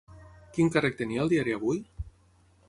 Quin càrrec tenia al diari Avui?